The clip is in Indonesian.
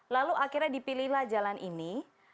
lalu akhirnya dipilihlah jalan ini